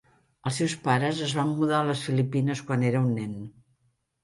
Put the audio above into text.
Els seus pares es van mudar a les Filipines quan era un nen.